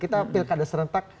kita pilkada serentak